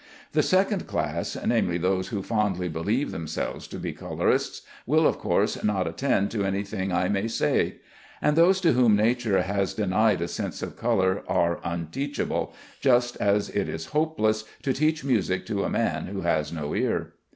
The second class namely, those who fondly believe themselves to be colorists will, of course, not attend to any thing I may say; and those to whom nature has denied a sense of color are unteachable, just as it is hopeless to teach music to a man who has no ear.